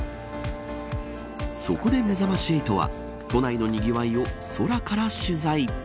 そこで、めざまし８は都内のにぎわいを空から取材。